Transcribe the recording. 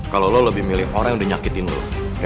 kalau lo lebih milih orang yang dinyakitin lo